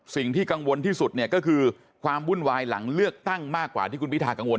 สิ่งที่กังวลที่สุดเนี่ยก็คือความวุ่นวายหลังเลือกตั้งมากกว่าที่คุณพิทากังวล